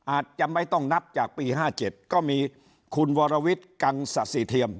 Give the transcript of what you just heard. อาจจะไม่ต้องนับจากปี๕๗ก็มีคุณวรวิทย์กังสะสิเทียม